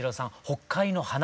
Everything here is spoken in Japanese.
「北海の花」